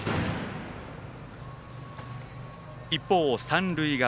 一方、三塁側。